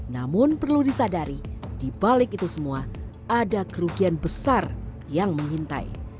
namun perlu disadari dibalik itu semua ada kerugian besar yang mengintai